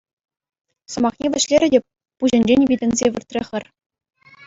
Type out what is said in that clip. Сӑмахне вӗҫлерӗ те пуҫӗнчен витӗнсе выртрӗ хӗр.